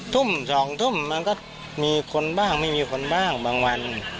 ทุ่ม๒ทุ่มมันก็มีคนบ้างไม่มีคนบ้างบางวัน